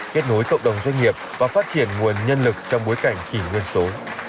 kết nối cộng đồng doanh nghiệp và phát triển nguồn nhân lực trong bối cảnh kỷ nguyên số